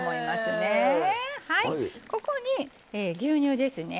はいここに牛乳ですね。